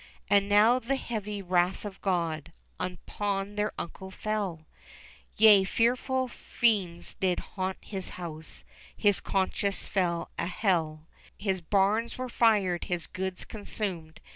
And now the heavy wrath of God Upon their uncle fell ; Yea, fearful fiends did haunt his house, His conscience felt an hell : His barns were fired, his goods consumed.